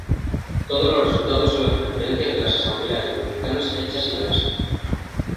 Todos los resultados son las preferencias de las asambleas republicanas hechas en Alaska.